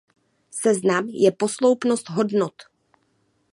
Seznam je posloupnost hodnot.